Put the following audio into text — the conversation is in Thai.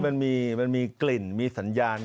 มันมีกลิ่นมีสัญญาณ